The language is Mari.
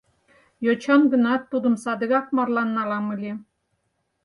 Йочан гынат, тудым садыгак марлан налам ыле.